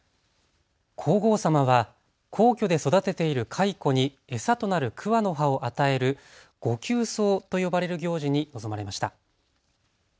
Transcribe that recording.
皇后さまは皇居で育てている蚕に餌となる桑の葉を与える御給桑と呼ばれる行事に臨まれました。